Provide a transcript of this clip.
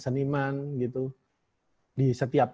apa ya yang